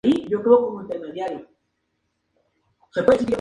Se encuentran en todos los continentes, a excepción de Oceanía.